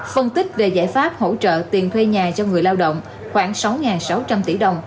phân tích về giải pháp hỗ trợ tiền thuê nhà cho người lao động khoảng sáu sáu trăm linh tỷ đồng